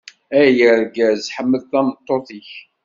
Ay argaz, ḥemmel tameṭṭut-ik.